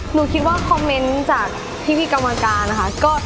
หนูคิดว่าคอมเมนต์จากพี่กรรมการนะคะ